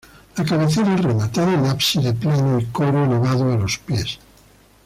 La cabecera rematada en ábside plano y coro elevado a los pies.